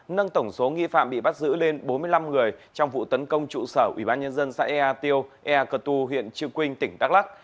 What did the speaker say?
nâng tổng số nghi phạm bị bắt giữ lên bốn mươi năm người trong vụ tấn công trụ sở ubnd xã ea tiêu ea cơ tu huyện chư quynh tỉnh đắk lắc